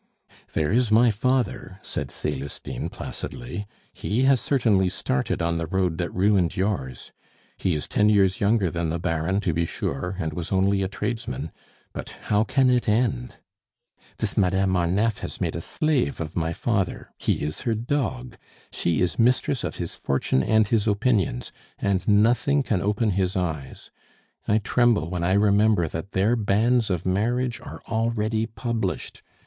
"There is my father!" said Celestine placidly. "He has certainly started on the road that ruined yours. He is ten years younger than the Baron, to be sure, and was only a tradesman; but how can it end? This Madame Marneffe has made a slave of my father; he is her dog; she is mistress of his fortune and his opinions, and nothing can open his eyes. I tremble when I remember that their banns of marriage are already published!